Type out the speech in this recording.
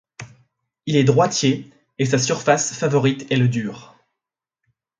Il est droitier et sa surface favorite est le dur.